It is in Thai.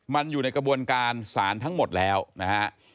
มันอยู่ในกระบวนการศาลทั้งหมดแล้วนะฮะ